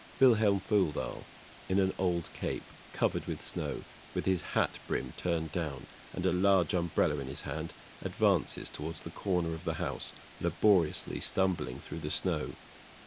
[VILHELM FOLDAL, in an old cape, covered with snow, with his hat brim turned down, and a large umbrella in his hand, advances towards the corner of the house, laboriously stumbling through the snow.